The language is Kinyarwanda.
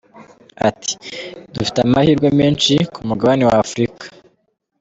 Ati “Dufite amahirwe menshi ku mugabane wa Afurika.